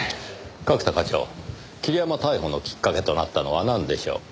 角田課長桐山逮捕のきっかけとなったのはなんでしょう？